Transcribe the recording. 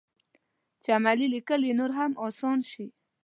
چې عملي لیکل یې نور هم اسان شي.